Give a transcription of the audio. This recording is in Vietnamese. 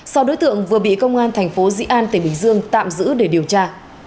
sau đối tượng vừa bị công an thành phố dĩ an tỉnh bình dương tạm giữ để điều tra